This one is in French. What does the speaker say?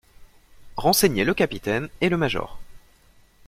Renseignaient le capitaine et le major.